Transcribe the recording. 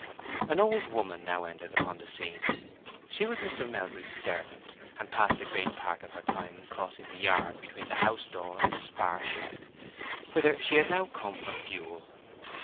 An old woman now entered upon the scene. She was Mr. Melbury's servant, and passed a great part of her time in crossing the yard between the house door and the spar shed, whither she had come now for fuel.